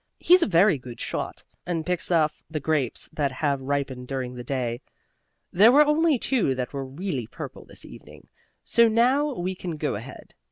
He's a very good shot, and picks off the grapes that have ripened during the day. There were only two that were really purple this evening, so now we can go ahead.